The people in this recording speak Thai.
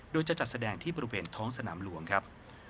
โดยจะจัดแสดงที่บริเวณท้องสนามหลวงครับ